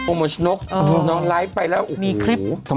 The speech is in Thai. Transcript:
โอโมชนกนอนไลฟ์ไปแล้ว